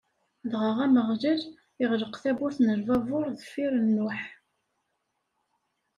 Dɣa Ameɣlal iɣleq tabburt n lbabuṛ deffir n Nuḥ.